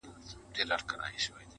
د سهار لمونځ کول شرط ؤ